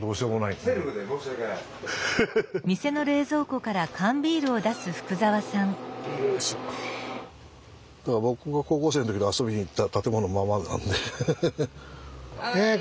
だから僕が高校生の時に遊びに行った建物のままなんでフフフ。